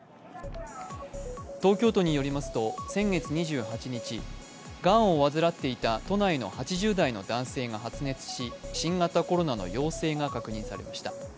東京都によりますと、先月２８日、がんを患っていた都内の８０代の男性が発熱し新型コロナの陽性が確認されました。